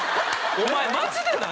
お前マジで何？